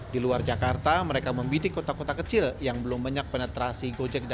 di luar jakarta mereka membidik kota kota kecil yang belum banyak penetrasi gojek